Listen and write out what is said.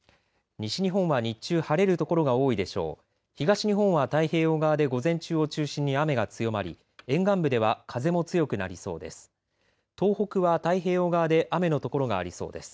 東日本は、太平洋側で午前中を中心に雨が強まり沿岸部では風も強くなりそうです。